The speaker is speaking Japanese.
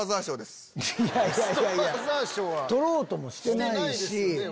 いやいや獲ろうともしてないし。